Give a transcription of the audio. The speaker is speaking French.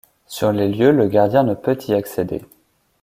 Sur les lieux, le Gardien ne peut y accéder.